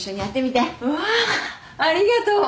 うわありがとう。